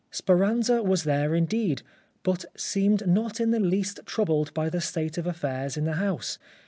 Speranza was there indeed, but seemed not in the least troubled by the state of affairs in the house.